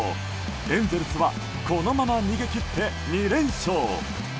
エンゼルスはこのまま逃げ切って２連勝。